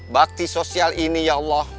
bakti sosial ini ya allah